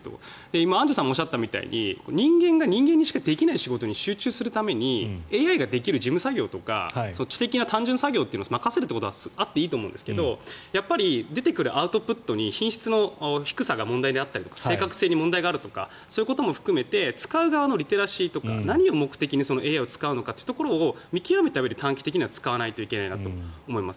今、アンジュさんがおっしゃったみたいに人間が人間にしかできない作業に集中するためにＡＩができる事務作業とか単純作業を任せるってことはあっていいと思うんですがやっぱり出てくるアウトプットに品質の低さが問題であったり正確性に問題があったりそういうことも含めて使う側のリテラシーとか何を目的にＡＩを使うかというところを見極めたうえで短期的には使わなければいけないなと思います。